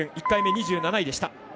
１回目、２７位でした。